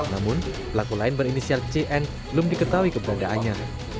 namun pelaku lain berinisial cn belum diketahui keberadaannya